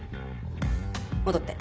戻って。